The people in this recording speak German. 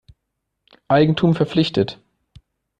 Eigentum verpflichtet.